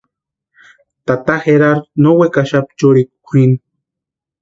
Tata Gerardu no wekaxapti churikwa kwʼini.